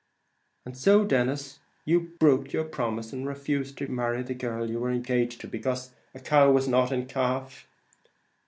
"And so, Denis, you broke your promise, and refused to marry the girl you were engaged to, because a cow was not in calf?"